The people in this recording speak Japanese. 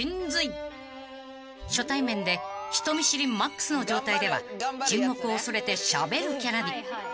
［初対面で人見知りマックスの状態では沈黙を恐れてしゃべるキャラに］